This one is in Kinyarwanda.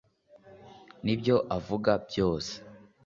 nibyo uvuga byose